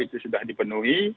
itu sudah dipenuhi